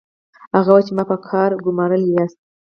هغه وايي چې ما په کار ګومارلي یاست